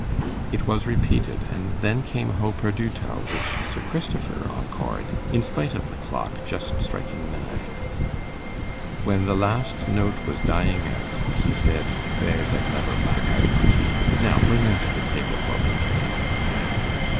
It was repeated; and then came, 'Ho perduto', which Sir Christopher encored, in spite of the clock, just striking nine. When the last note was dying out he said 'There's a clever black eyed monkey. Now bring out the table for picquet.